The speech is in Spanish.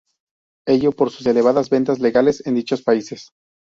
Ello, por sus elevadas ventas legales en dichos países.